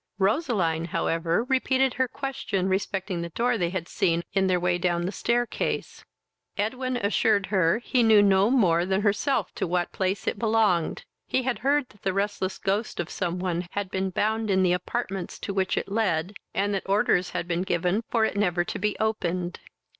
Roseline however repeated her question respecting the door they had seen in their way down the staircase. Edwin assured her he knew no more than herself to what place it belonged: he had heard that the restless ghost of some one had been bound in the apartments to which it led, and that orders had been given for it never to be opened.